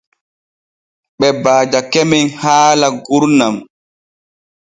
Ɓe baajake men haala gurnan.